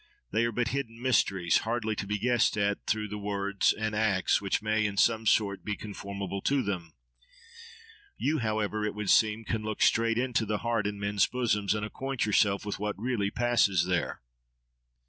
They are but hidden mysteries, hardly to be guessed at through the words and acts which may in some sort be conformable to them. You, however, it would seem, can look straight into the heart in men's bosoms, and acquaint yourself with what really passes there.